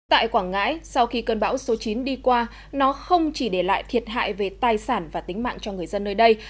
tại quảng ngãi sau khi cơn bão số chín đi qua nó không chỉ để lại thiệt hại về tài sản và tính mạng cho người dân nơi đây